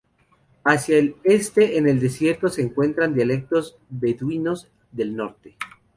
Hacia el este, en el desierto, se encuentran dialectos beduinos del norte.